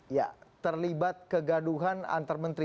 ya terlibat kegaduhan antar menteri